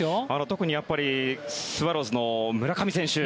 特にスワローズの村上選手